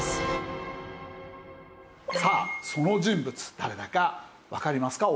さあその人物誰だかわかりますか？